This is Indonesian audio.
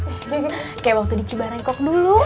kayak waktu di cibarangkok dulu